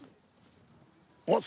あっ！